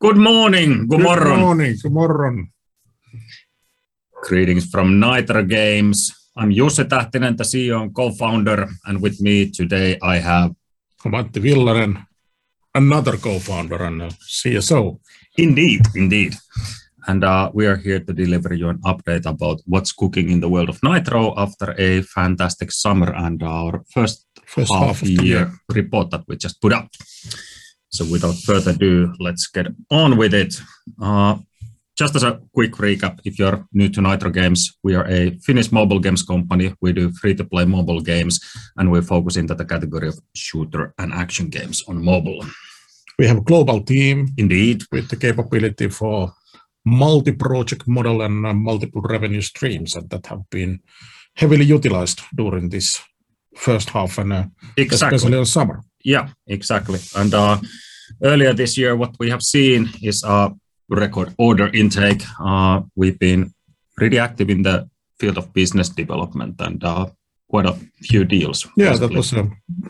Good morning. Good morning. Greetings from Nitro Games. I'm Jussi Tähtinen, the CEO and co-founder. And with me today I have. Antti Villanen, another co-founder and CSO. Indeed. Indeed. We are here to deliver you an update about what's cooking in the world of Nitro after a fantastic summer and our first– First half of the year. –half year report that we just put up. Without further ado, let's get on with it. Just as a quick recap, if you're new to Nitro Games, we are a Finnish mobile games company. We do free-to-play mobile games, and we're focusing on the category of shooter and action games on mobile. We have a global team– Indeed. –with the capability for multi-project model and multiple revenue streams that have been heavily utilized during this first half and especially the summer. Yeah, exactly. Earlier this year what we have seen is a record order intake. We've been pretty active in the field of business development and got a few deals. That was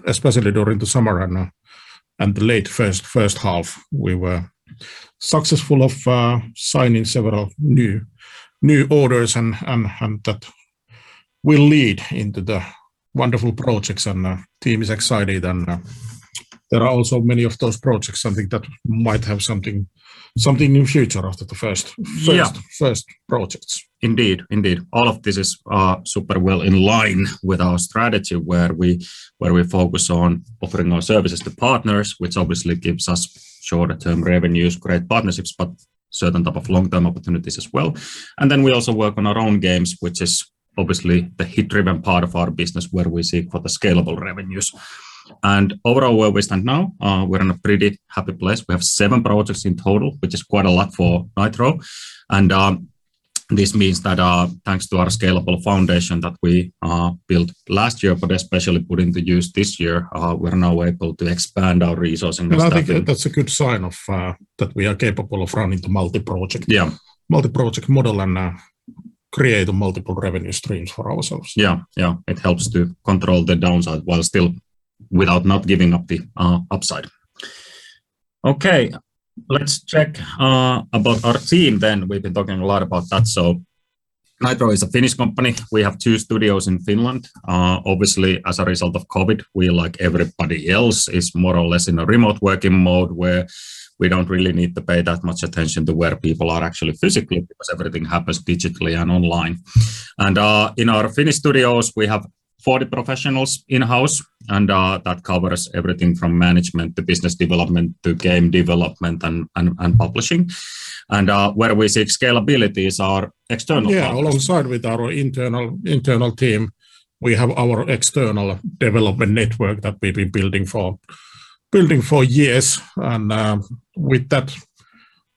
especially during the summer and the late first half, we were successful of signing several new orders. That will lead into the wonderful projects. The team is excited. There are also many of those projects, something that might have something new future after the first projects. Indeed. Indeed. All of this is super well in line with our strategy where we focus on offering our services to partners, which obviously gives us shorter-term revenues, great partnerships, but certain type of long-term opportunities as well. Then we also work on our own games, which is obviously the hit-driven part of our business where we seek for the scalable revenues. And overall, where we stand now, we're in a pretty happy place. We have seven projects in total, which is quite a lot for Nitro, and this means that thanks to our scalable foundation that we built last year, but especially put into use this year, we are now able to expand our resourcing and staffing. I think that's a good sign that we are capable of running the multi-project. Yeah. Multi-project model and create multiple revenue streams for ourselves. Yeah. Yeah. It helps to control the downside while still without not giving up the upside. Okay. Let's check about our team then. We've been talking a lot about that. Nitro is a Finnish company. We have two studios in Finland. Obviously, as a result of COVID, we, like everybody else, is more or less in a remote working mode where we don't really need to pay that much attention to where people are actually physically because everything happens digitally and online. In our Finnish studios, we have 40 professionals in-house, and that covers everything from management to business development to game development and publishing. Where we seek scalability is our external partners. Yeah. Alongside with our internal team, we have our external development network that we've been building for years. With that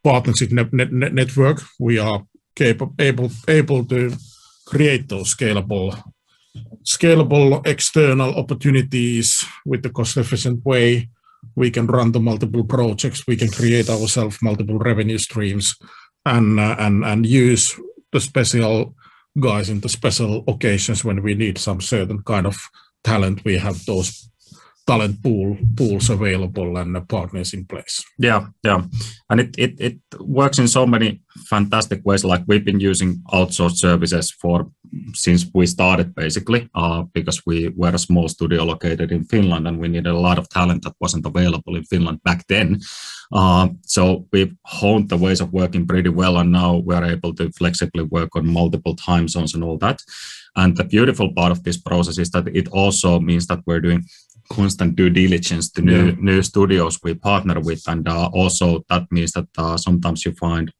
partnership network, we are able to create those scalable external opportunities with the cost-efficient way. We can run the multiple projects. We can create ourself multiple revenue streams and use the special guys in the special occasions. When we need some certain kind of talent, we have those talent pools available and the partners in place. Yeah. Yeah. It works in so many fantastic ways. Like we've been using outsourced services since we started basically, because we were a small studio located in Finland, and we needed a lot of talent that wasn't available in Finland back then. We've honed the ways of working pretty well, and now we're able to flexibly work on multiple time zones and all that. The beautiful part of this process is that it also means that we're doing constant due diligence to new studios we partner with. Also that means that sometimes you find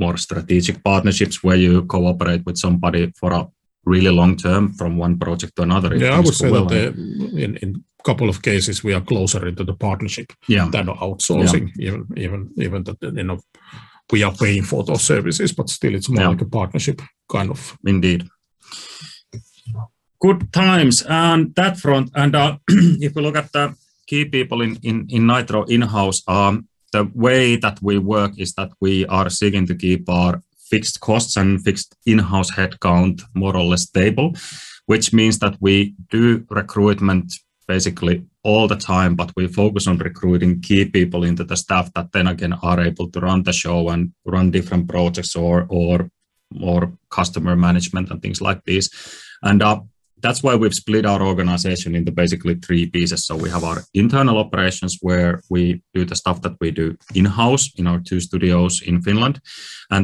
more strategic partnerships where you cooperate with somebody for a really long term from one project to another if it goes well. Yeah, I would say that in couple of cases we are closer into the partnership- Yeah. -than outsourcing, even though we are paying for those services, but still it's more like a partnership kind of. Indeed. Good times on that front. If we look at the key people in Nitro in-house, the way that we work is that we are seeking to keep our fixed costs and fixed in-house headcount more or less stable, which means that we do recruitment basically all the time, but we focus on recruiting key people into the staff that then again are able to run the show and run different projects or more customer management and things like this. That's why we've split our organization into basically three pieces. We have our internal operations where we do the stuff that we do in-house in our two studios in Finland.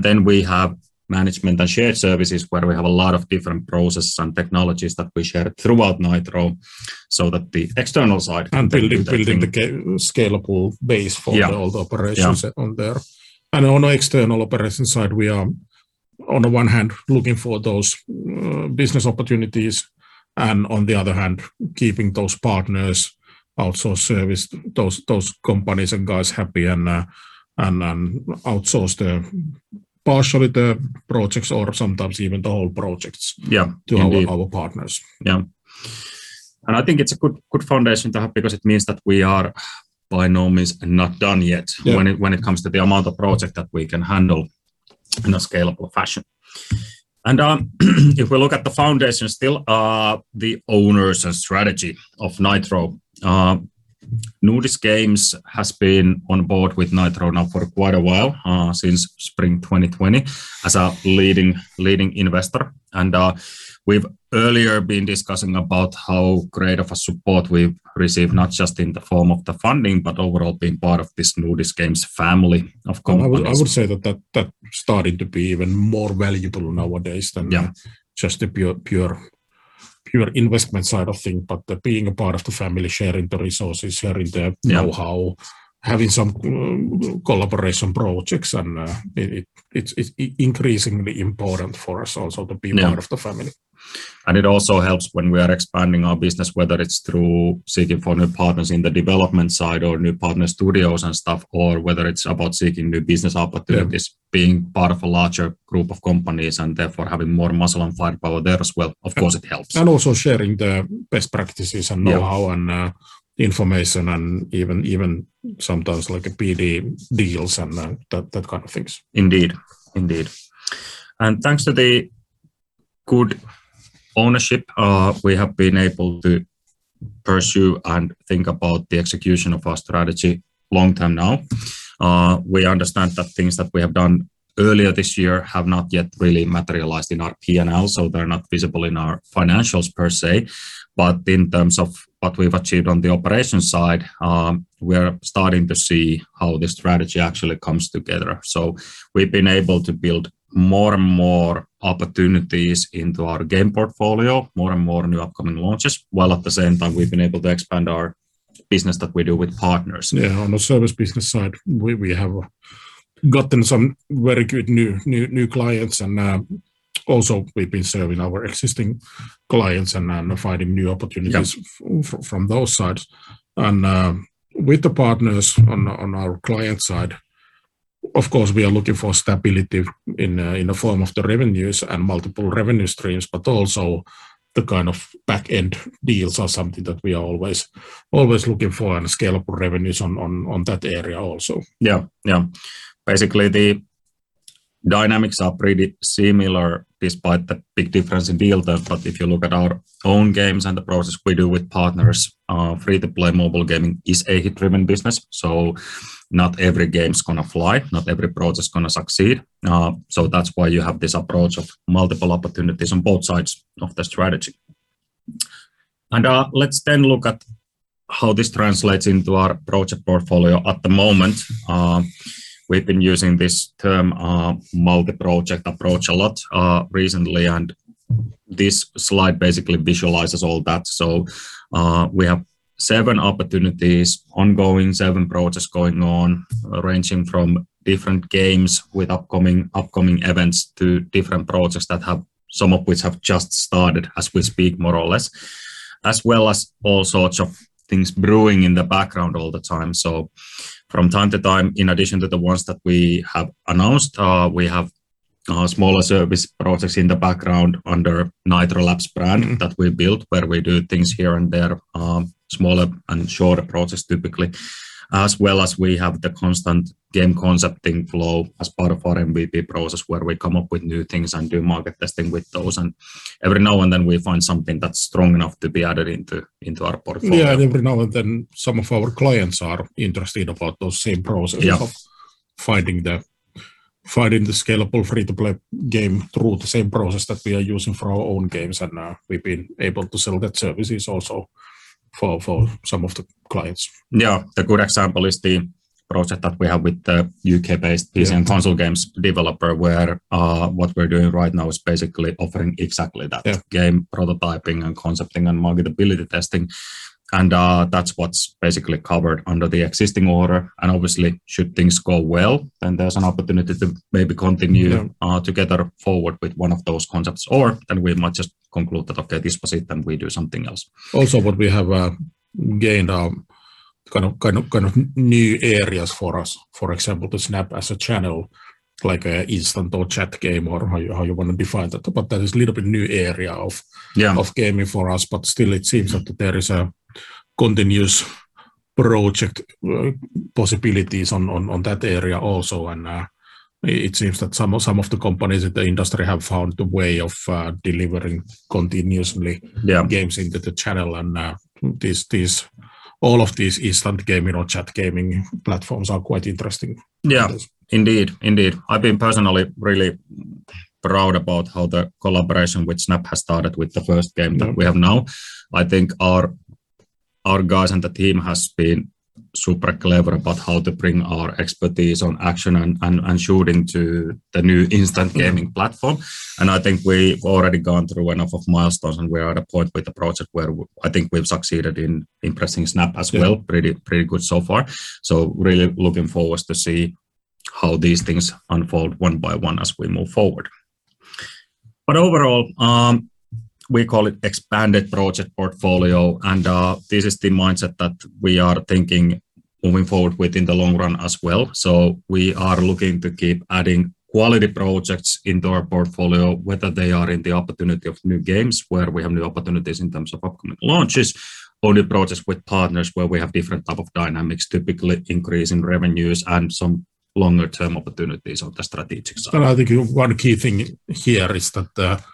Then we have management and shared services where we have a lot of different processes and technologies that we share throughout Nitro, so that the external side. And building the scalable base for– Yeah. –all the operations on there. On the external operation side, we are on the one hand looking for those business opportunities and on the other hand, keeping those partners outsourced service, those companies and guys happy, and outsource partially the projects or sometimes even the whole projects– Yeah. Indeed. –to our partners. Yeah. I think it's a good foundation to have because it means that we are by no means not done yet– Yeah. –when it comes to the amount of project that we can handle in a scalable fashion. If we look at the foundation still, the owners and strategy of Nitro. Nordisk Games has been on board with Nitro now for quite a while, since spring 2020, as a leading investor. We've earlier been discussing about how great of a support we've received, not just in the form of the funding, but overall being part of this Nordisk Games family of companies. I would say that started to be even more valuable nowadays than just the pure investment side of things. Being a part of the family, sharing the resources, sharing the knowhow, having some collaboration projects, it's increasingly important for us also to be part of the family. It also helps when we are expanding our business, whether it's through seeking for new partners in the development side or new partner studios and stuff, or whether it's about seeking new business opportunities. Yeah. Being part of a larger group of companies and therefore having more muscle and firepower there as well, of course, it helps. And also sharing the best practices and knowhow and– Yeah. –information and even sometimes like BD deals and that kind of things. Indeed. Indeed. Thanks to the good ownership, we have been able to pursue and think about the execution of our strategy long-term now. We understand that things that we have done earlier this year have not yet really materialized in our P&L, so they're not visible in our financials per se. In terms of what we've achieved on the operations side, we are starting to see how the strategy actually comes together. We've been able to build more and more opportunities into our game portfolio, more and more new upcoming launches, while at the same time we've been able to expand our business that we do with partners. Yeah, on the service business side, we have gotten some very good new clients and also we've been serving our existing clients and now finding new opportunities from both sides. With the partners on our client side, of course, we are looking for stability in the form of the revenues and multiple revenue streams, but also the kind of back-end deals are something that we are always looking for and scalable revenues on that area also. Yeah. Basically, the dynamics are pretty similar despite the big difference in deal there. If you look at our own games and the process we do with partners, free-to-play mobile gaming is a hit-driven business, so not every game's going to fly, not every project's going to succeed. That's why you have this approach of multiple opportunities on both sides of the strategy. Let's then look at how this translates into our project portfolio. At the moment, we've been using this term multi-project approach a lot recently, and this slide basically visualizes all that. So we have seven opportunities ongoing seven projects going on, ranging from different games with upcoming events to different projects that some of which have just started as we speak more or less, as well as all sorts of things brewing in the background all the time. From time to time, in addition to the ones that we have announced, we have smaller service projects in the background under Nitro Labs brand that we built, where we do things here and there, smaller and shorter projects typically. As well as we have the constant game concepting flow as part of our MVP process, where we come up with new things and do market testing with those. Every now and then we find something that's strong enough to be added into our portfolio. Yeah, every now and then, some of our clients are interested about those same processes– Yeah. –of finding the scalable free-to-play game through the same process that we are using for our own games. We've been able to sell that services also for some of the clients. Yeah. The good example is the project that we have with the U.K.-based PC-Console games developer, where what we're doing right now is basically offering exactly that game prototyping and concepting and marketability testing, that's what's basically covered under the existing order. Obviously, should things go well, then there's an opportunity to maybe continue together forward with one of those concepts. We might just conclude that, okay, this was it, and we do something else. Also what we have gained, kind of new areas for us, for example, the Snap as a channel, like a instant or chat game or how you want to define that. That is little bit new area– Yeah. –of gaming for us, still it seems that there is a continuous project possibilities on that area also and it seems that some of the companies in the industry have found a way of delivering continuously– Yeah. –games into the channel and all of these instant gaming or chat gaming platforms are quite interesting for us. Yeah, indeed. I've been personally really proud about how the collaboration with Snap has started with the first game that we have now. I think our guys and the team has been super clever about how to bring our expertise on action and shooting to the new instant gaming platform. I think we've already gone through enough of milestones, and we are at a point with the project where I think we've succeeded in impressing Snap as well. Yeah. Pretty good so far. Really looking forwards to see how these things unfold one by one as we move forward. Overall, we call it expanded project portfolio, and this is the mindset that we are thinking moving forward with in the long run as well. We are looking to keep adding quality projects into our portfolio, whether they are in the opportunity of new games where we have new opportunities in terms of upcoming launches or new projects with partners where we have different type of dynamics, typically increase in revenues and some longer-term opportunities on the strategic side. I think one key thing here is that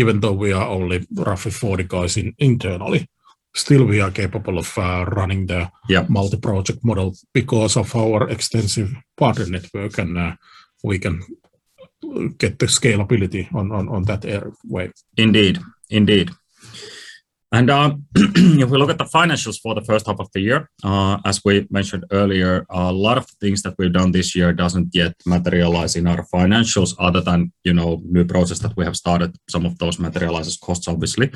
even though we are only roughly 40 guys internally, still we are capable of running the– Yeah. –multi-project model because of our extensive partner network, and we can get the scalability on that way. Indeed. Indeed. If we look at the financials for the first half of the year, as we mentioned earlier, a lot of things that we've done this year doesn't yet materialize in our financials other than new projects that we have started. Some of those materialize as costs, obviously.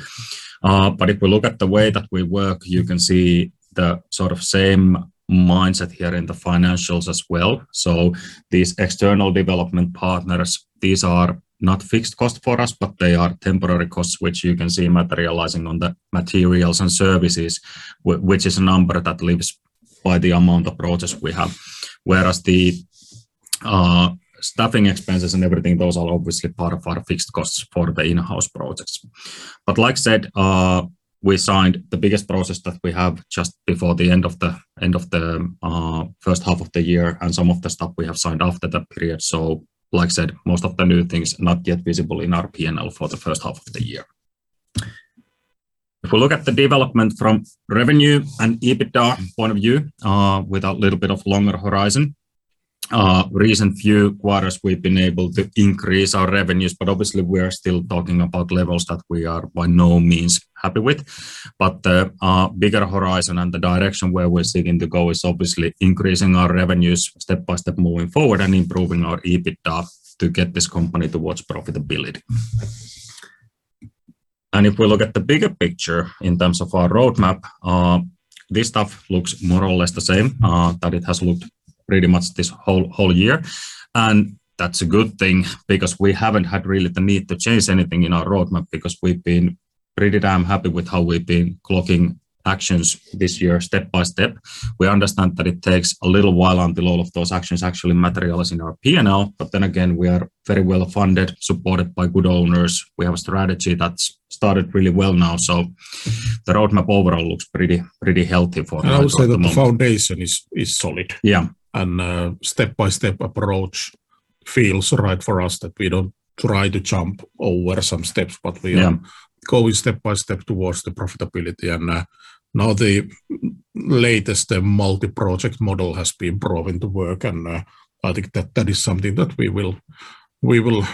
If we look at the way that we work, you can see the same mindset here in the financials as well. These external development partners, these are not fixed costs for us, but they are temporary costs, which you can see materializing on the materials and services, which is a number that lives by the amount of projects we have. The staffing expenses and everything, those are obviously part of our fixed costs for the in-house projects. Like I said, we signed the biggest project that we have just before the end of the first half of the year, and some of the stuff we have signed after that period. Like I said, most of the new things not yet visible in our P&L for the first half of the year. If we look at the development from revenue and EBITDA point of view, with a little bit of longer horizon. Recent few quarters, we've been able to increase our revenues, but obviously we are still talking about levels that we are by no means happy with. The bigger horizon and the direction where we're seeking to go is obviously increasing our revenues step by step moving forward and improving our EBITDA to get this company towards profitability. If we look at the bigger picture in terms of our roadmap, this stuff looks more or less the same, that it has looked pretty much this whole year, and that's a good thing because we haven't had really the need to change anything in our roadmap because we've been pretty damn happy with how we've been clocking actions this year step by step. We understand that it takes a little while until all of those actions actually materialize in our P&L. Then again, we are very well-funded, supported by good owners. We have a strategy that's started really well now. So the roadmap overall looks pretty healthy for us at the moment. I would say that the foundation is solid. Yeah. And the step-by-step approach feels right for us, that we don't try to jump over some steps but going step by step towards the profitability. Now the latest multi-project model has been proven to work, and I think that that is something that we will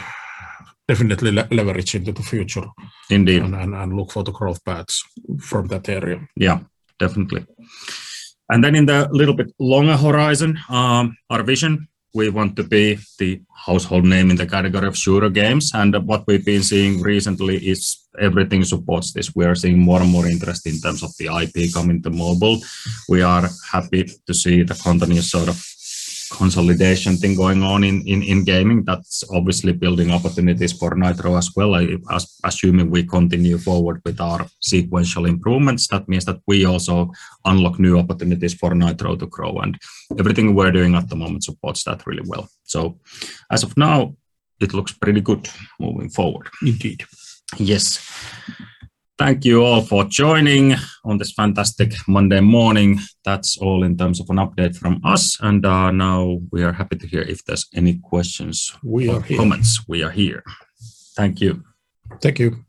definitely leverage into the future and– Indeed. –look for the growth paths from that area. Yeah, definitely. In the little bit longer horizon, our vision, we want to be the household name in the category of shooter games. What we've been seeing recently is everything supports this. We are seeing more and more interest in terms of the IP coming to mobile. We are happy to see the company consolidation thing going on in gaming. That's obviously building opportunities for Nitro as well. Assuming we continue forward with our sequential improvements, that means that we also unlock new opportunities for Nitro to grow, and everything we're doing at the moment supports that really well. As of now, it looks pretty good moving forward. Indeed. Yes. Thank you all for joining on this fantastic Monday morning. That's all in terms of an update from us, now we are happy to hear if there's any questions or– We are here. –comments. We are here. Thank you. Thank you.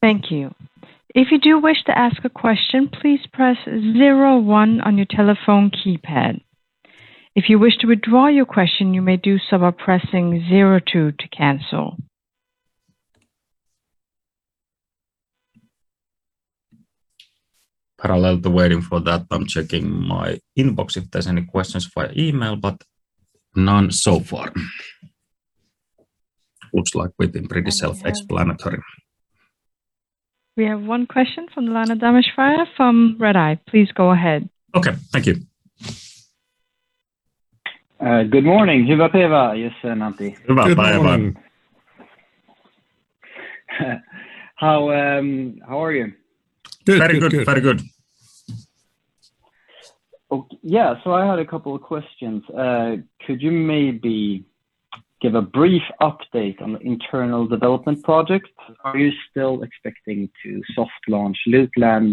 Thank you. If you do wish to ask a question, please press 01 on your telephone keypad. If you wish to withdraw your question, you may do so by pressing 02 to cancel. Parallel to waiting for that, I'm checking my inbox if there's any questions via email, but none so far. Looks like we've been pretty self-explanatory. We have one question from Lana Damaschwa from Redeye. Please go ahead. Okay. Thank you. Good morning. Good morning. Good morning. How are you? Good. Very good. Yeah. I had a couple of questions. Could you maybe give a brief update on the internal development project? Are you still expecting to soft launch Lootland,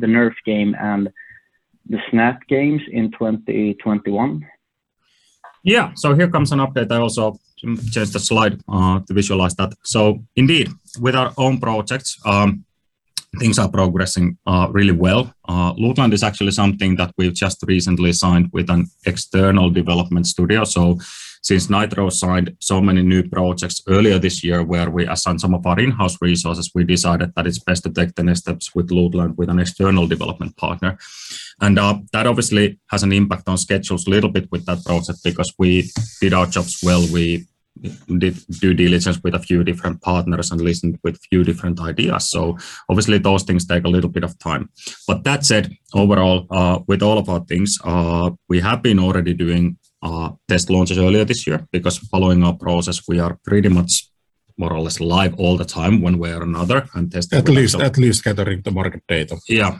the NERF game, and the Snap Games in 2021? Yeah. Here comes an update. I also changed the slide to visualize that. Indeed, with our own projects, things are progressing really well. Lootland is actually something that we've just recently signed with an external development studio. Since Nitro signed so many new projects earlier this year where we assigned some of our in-house resources, we decided that it's best to take the next steps with Lootland with an external development partner. That obviously has an impact on schedules a little bit with that project because we did our jobs well. We did due diligence with a few different partners and listened with few different ideas. Obviously those things take a little bit of time. That said, overall, with all of our things, we have been already doing test launches earlier this year because following our process, we are pretty much more or less live all the time one way or another and testing. At least gathering the market data. Yeah.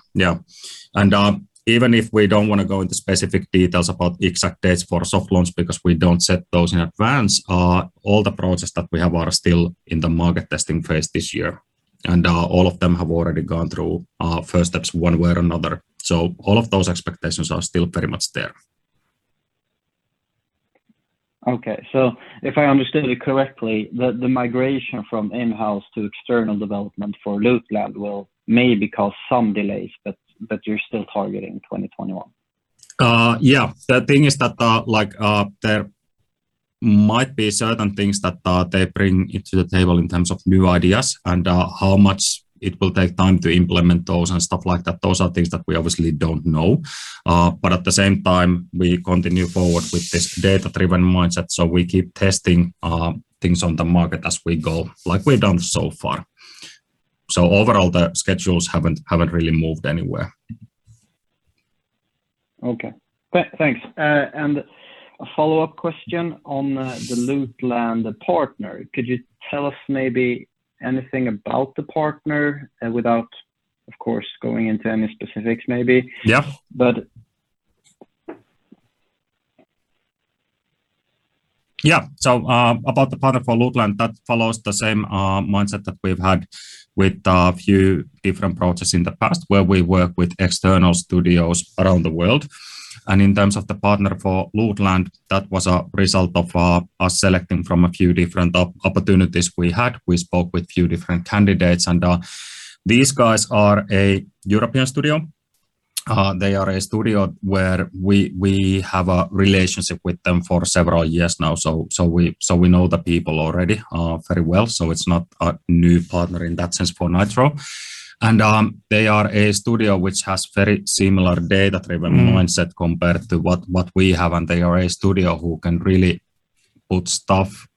Even if we don't want to go into specific details about exact dates for soft launch because we don't set those in advance, all the projects that we have are still in the market testing phase this year. All of them have already gone through first steps one way or another. All of those expectations are still very much there. Okay. If I understood you correctly, the migration from in-house to external development for Lootland will maybe cause some delays, but you're still targeting 2021? Yeah. The thing is that there might be certain things that they bring into the table in terms of new ideas and how much it will take time to implement those and stuff like that. Those are things that we obviously don't know. At the same time, we continue forward with this data-driven mindset, so we keep testing things on the market as we go, like we've done so far. Overall, the schedules haven't really moved anywhere. Okay. Thanks. A follow-up question on the Lootland partner. Could you tell us maybe anything about the partner without, of course, going into any specifics, maybe? Yeah. Yeah. About the partner for Lootland, that follows the same mindset that we've had with a few different projects in the past where we work with external studios around the world. In terms of the partner for Lootland, that was a result of us selecting from a few different opportunities we had. We spoke with a few different candidates, and these guys are a European studio. They are a studio where we have a relationship with them for several years now, so we know the people already very well. It's not a new partner in that sense for Nitro. They are a studio which has very similar data-driven mindset compared to what we have, and they are a studio who can really put stuff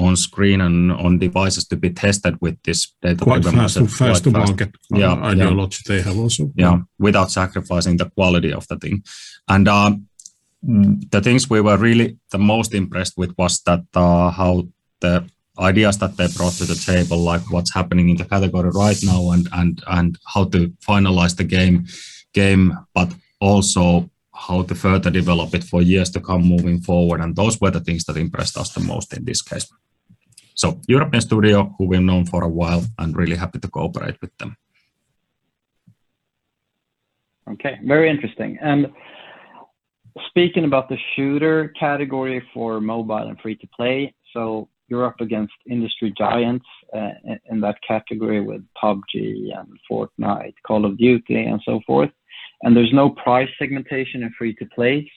on screen and on devices to be tested with this data. Quite fast to market. Yeah. Ideology they have also. Yeah, without sacrificing the quality of the thing. The things we were really the most impressed with was that how the ideas that they brought to the table, like what's happening in the category right now and how to finalize the game, but also how to further develop it for years to come moving forward, and those were the things that impressed us the most in this case. European studio who we've known for a while and really happy to cooperate with them. Okay. Very interesting. Speaking about the shooter category for mobile and free-to-play, you're up against industry giants in that category with PUBG, and Fortnite, Call of Duty, and so forth. There's no price segmentation in free-to-play.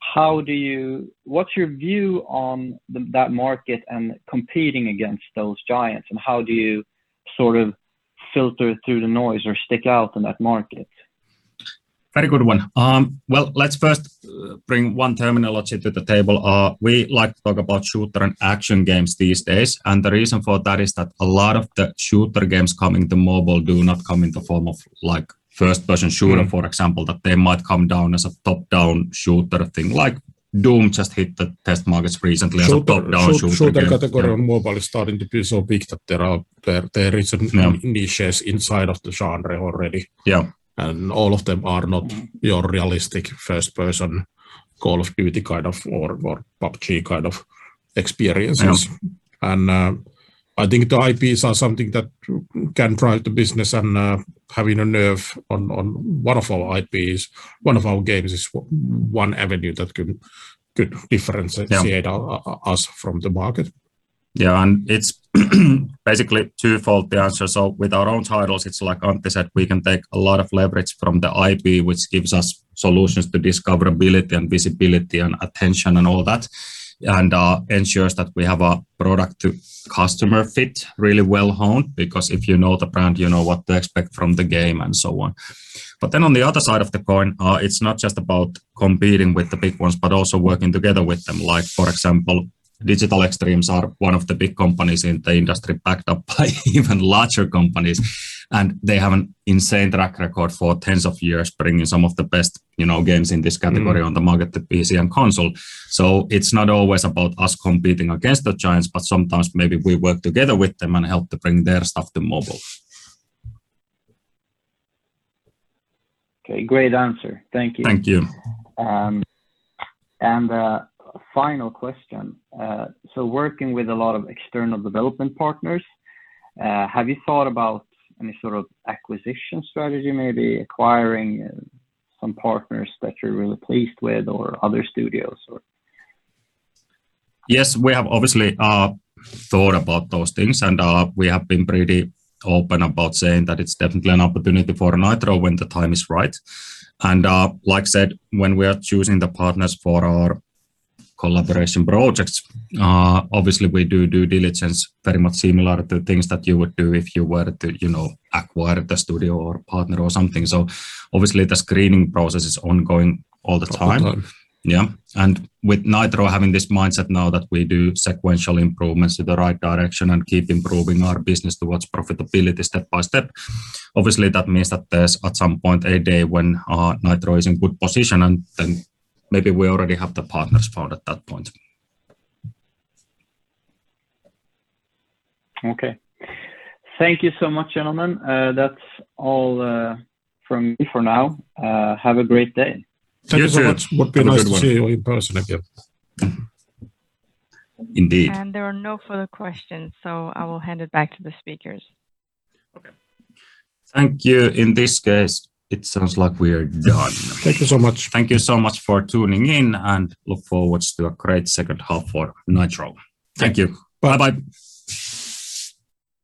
How do you, what's your view on that market and competing against those giants, and how do you sort of filter through the noise or stick out in that market? Very good one. Well, let's first bring one terminology to the table. We like to talk about shooter and action games these days. The reason for that is that a lot of the shooter games coming to mobile do not come in the form of first-person shooter, for example, that they might come down as a top-down shooter thing. Like Doom just hit the test markets recently as a top-down shooter game. Shooter category on mobile is starting to be so big that there is niches inside of the genre already. Yeah. And all of them are not your realistic first-person Call of Duty kind of or PUBG kind of experiences. Yeah. I think the IPs are something that can drive the business, and having a NERF on one of our IPs, one of our games is one avenue that could differentiate us from the market. It's basically twofold, the answer. With our own titles, it's like Antti said, we can take a lot of leverage from the IP, which gives us solutions to discoverability, and visibility, and attention, and all that, and ensures that we have a product-to-customer fit really well honed because if you know the brand, you know what to expect from the game and so on. On the other side of the coin, it's not just about competing with the big ones, but also working together with them. For example, Digital Extremes are one of the big companies in the industry, backed up by even larger companies, and they have an insane track record for tens of years, bringing some of the best games in this category on the market to PC and console. It's not always about us competing against the giants, but sometimes maybe we work together with them and help to bring their stuff to mobile. Okay. Great answer. Thank you. Thank you. A final question. Working with a lot of external development partners, have you thought about any sort of acquisition strategy, maybe acquiring some partners that you're really pleased with or other studios? Yes, we have obviously thought about those things, and we have been pretty open about saying that it's definitely an opportunity for Nitro when the time is right. Like I said, when we are choosing the partners for our collaboration projects, obviously we do due diligence very much similar to things that you would do if you were to acquire the studio or partner or something. Obviously the screening process is ongoing all the time. All the time. Yeah. With Nitro having this mindset now that we do sequential improvements in the right direction and keep improving our business towards profitability step by step, obviously that means that there's at some point a day when Nitro is in good position, and then maybe we already have the partners found at that point. Okay. Thank you so much, gentlemen. That's all from me for now. Have a great day. You too. Thank you so much. Would be nice to see you in person again. Indeed. There are no further questions, so I will hand it back to the speakers. Okay. Thank you. In this case, it sounds like we are done. Thank you so much. Thank you so much for tuning in. Look forwards to a great second half for Nitro. Thank you. Bye. Bye-bye.